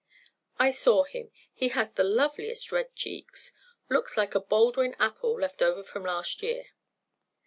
"I saw him. He has the loveliest red cheeks. Looks like a Baldwin apple left over from last year."